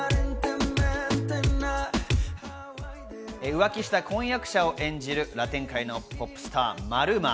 浮気した婚約者を演じるラテン界のポップスター、マルーマ。